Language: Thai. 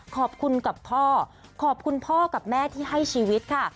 ขอบคุณกับพ่อขอบคุณพ่อกับแม่ที่ให้ชีวิตค่ะ